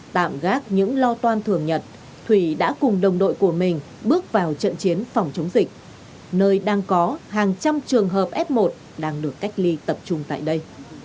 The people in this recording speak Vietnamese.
tạm gác những lo toan thường nhật thủy đã cùng đồng đội của mình bước vào trận chiến phòng chống dịch nơi đang có hàng trăm trường hợp f một đang được cách ly tập trung tại đây